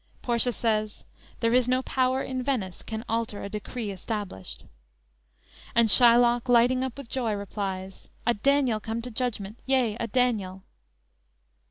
"_ Portia says: "There is no power in Venice can altar a decree established." And Shylock, lighting up with joy, replies: _"A Daniel come to judgment! yea, a Daniel!"